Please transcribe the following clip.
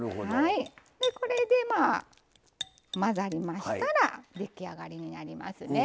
これで混ざりましたら出来上がりになりますね。